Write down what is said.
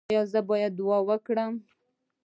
ایا زه باید دعا وکړم؟